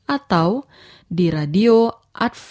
atau di radio advents suara pengharapan